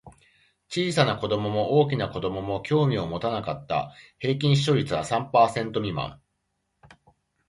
小さな子供も大きな子供も興味を持たなかった。平均視聴率は三パーセント未満。